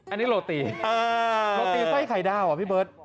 อันนี้โรตีโรตีใส่ไข่ดาวพี่เบิ้ลอ่า